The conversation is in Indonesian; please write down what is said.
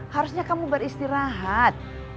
harusnya kamu beristirahat